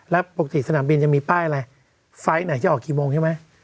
แล้วปกติสนามบินจะมีป้ายอะไรไฟล์ไหนจะออกกี่โมงใช่ไหม